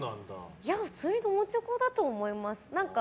普通に友チョコだと思います。